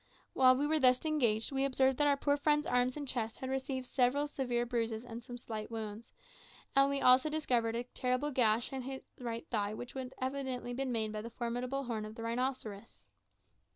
While we were thus engaged we observed that our poor friend's arms and chest had received several severe bruises and some slight wounds, and we also discovered a terrible gash in his right thigh which had evidently been made by the formidable horn of the rhinoceros.